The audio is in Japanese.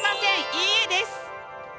「いいえ」です。